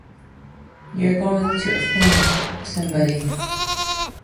You're going to offend somebody.